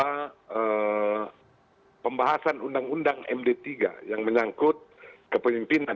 pertama pembahasan undang undang md tiga yang menyangkut kepemimpinan